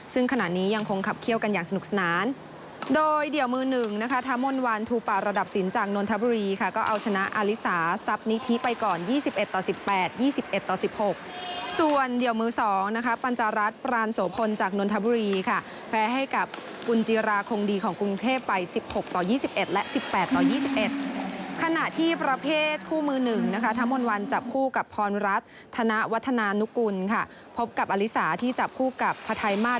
ซึ่งขณะนี้ยังคงขับเขี้ยวกันอย่างสนุกสนานโดยเดี๋ยวมือหนึ่งนะคะถ้ามนต์วันทุประระดับศีลจากนนทบุรีค่ะก็เอาชนะอลิสาทรัพย์นิทีไปก่อนยี่สิบเอ็ดต่อสิบแปดยี่สิบเอ็ดต่อสิบหกส่วนเดี๋ยวมือสองนะคะปัญจารัฐปราณสโภนจากนนทบุรีค่ะแพ้ให้กับกุญจิราคงดีของกรุงเทพไปสิบหกต่